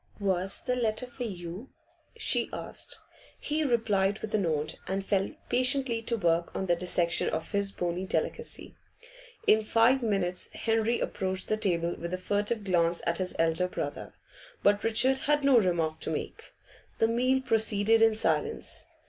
'Was the letter for you?' she asked. He replied with a nod, and fell patiently to work on the dissection of his bony delicacy. In five minutes Henry approached the table with a furtive glance at his elder brother. But Richard had no remark to make. The meal proceeded in silence.